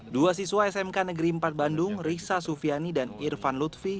dua siswa smk negeri empat bandung riksa sufiani dan irfan lutfi